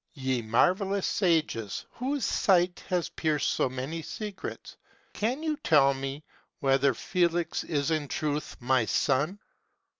Ye marvellous sages, whose sight has pierced so many secrets, can you tell me whether Felix is in truth my son